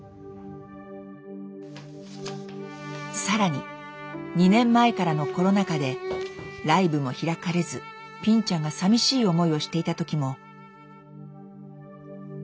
更に２年前からのコロナ禍でライブも開かれずぴんちゃんがさみしい思いをしていた時も。